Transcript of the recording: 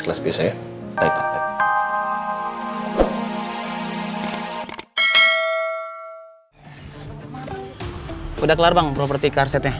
sudah kelar bang properti karsetnya